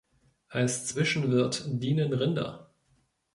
Als Zwischenwirt dienen Rinder.